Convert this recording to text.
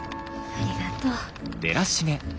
ありがとう。